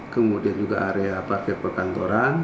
kemudian juga area parkir perkantoran